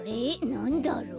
なんだろう？